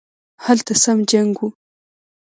هلته سم جنګ وو